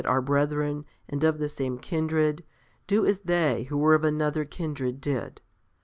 Ye, therefore, that are brethren, and of the same kindred, do as they who were of another kindred did.